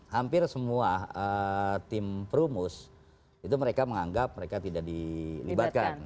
hampir semua tim perumus itu mereka menganggap mereka tidak dilibatkan